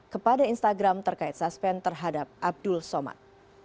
kepada instagram terkait suspen terhadap abdul somad